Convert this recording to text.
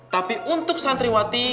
tapi untuk santriwati